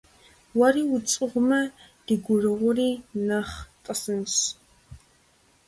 Уэри утщӀыгъумэ, ди гурыгъури нэхъ тӀысынщ.